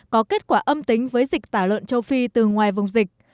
có kết quả âm tính với dịch tả lợn châu phi từ ngoài vùng dịch